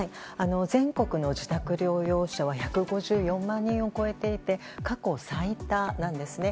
全国の自宅療養者は１５４万人を超えていて過去最多なんですね。